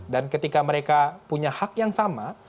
dan ketika mereka punya hak yang sama